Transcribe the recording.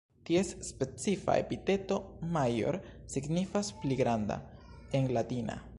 Ties specifa epiteto "major", signifas "pli granda" en latina.